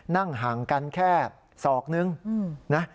นั่งห่างกันแค่ศอกนึงนะ